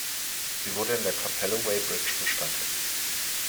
Sie wurde in der Kapelle Weybridge bestattet.